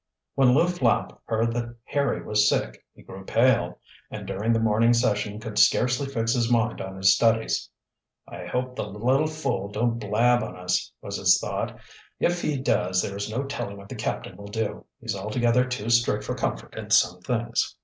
When Lew Flapp heard that Harry was sick he grew pale, and during the morning session could scarcely fix his mind on his studies. "I hope the little fool don't blab on us," was his thought. "If he does there is no telling what the captain will do. He's altogether too strict for comfort in some things."